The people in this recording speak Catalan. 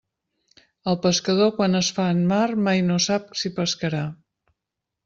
El pescador quan es fa en mar mai no sap si pescarà.